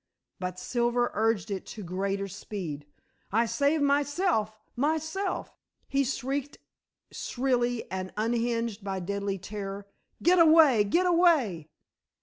But Silver urged it to greater speed. "I save myself; myself," he shrieked shrilly and unhinged by deadly terror, "get away; get away."